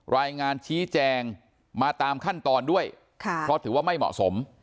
รายงานชี้แจงมาตามขั้นตอนด้วยเพราะถือว่าไม่เหมาะสม